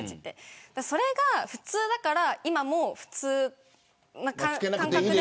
それが普通だから今も普通な感覚で。